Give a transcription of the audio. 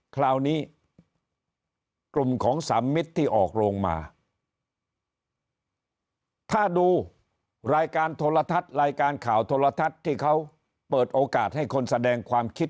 คราวนี้กลุ่มของสามมิตรที่ออกโรงมาถ้าดูรายการโทรทัศน์รายการข่าวโทรทัศน์ที่เขาเปิดโอกาสให้คนแสดงความคิด